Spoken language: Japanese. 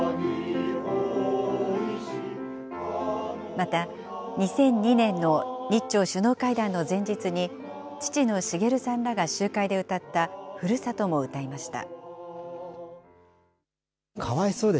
また、２００２年の日朝首脳会談の前日に、父の滋さんらが集会で歌ったふるさとも歌いました。